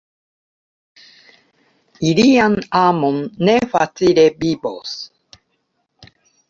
Ilian amon ne facile vivos.